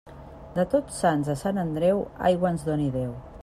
De Tots Sants a Sant Andreu, aigua ens doni Déu.